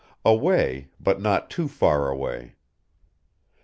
Away, but not too far away.